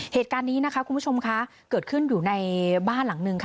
เหตุการณ์นี้นะคะคุณผู้ชมคะเกิดขึ้นอยู่ในบ้านหลังนึงค่ะ